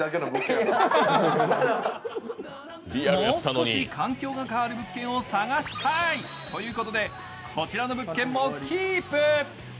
もう少し環境が変わる物件を探したいということでこちらの物件もキープ。